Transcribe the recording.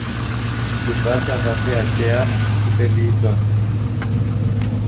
Situația va fi aceeași și pe viitor.